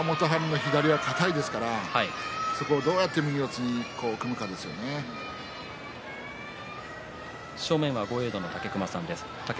ただ若元春も左が硬いですからそこをどうやって正面は豪栄道の武隈さんです。